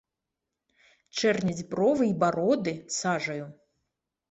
Чэрняць бровы й бароды сажаю.